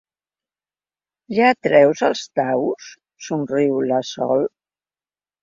Ja treus els daus? —somriu la Sol.